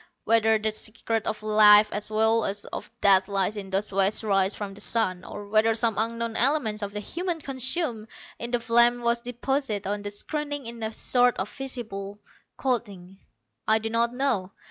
Whether the secret of life as well as of death lies in those waste rays from the sun, or whether some unknown element of the humans consumed in the flame was deposited on the screening in a sort of invisible coating, I do not know.